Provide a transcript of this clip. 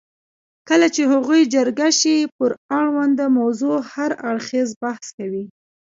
کله چې هغوی جرګه شي پر اړونده موضوع هر اړخیز بحث کوي.